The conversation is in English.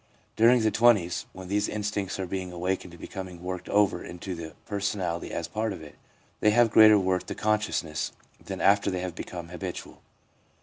During the twenties, when these instincts are being awakened and becoming worked over into the personality as part of it, they have greater worth to consciousness than after they have become habitual.